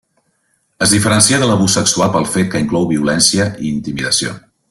Es diferencia de l'abús sexual pel fet que inclou violència i intimidació.